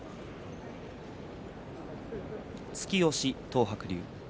突き押し、東白龍。